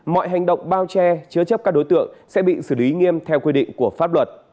mọi hành động bao che chứa chấp các đối tượng sẽ bị xử lý nghiêm theo quy định của pháp luật